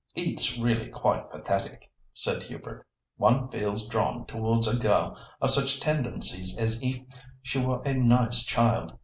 "It's really quite pathetic," said Hubert. "One feels drawn towards a girl of such tendencies as if she were a nice child.